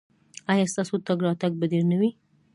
ایا ستاسو تګ راتګ به ډیر نه وي؟